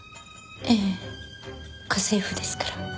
ええ家政婦ですから。